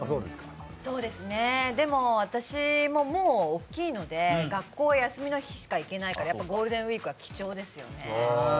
でも私ももう大きいので学校、休みの日しか行けないからやっぱゴールデンウイークは貴重ですよね。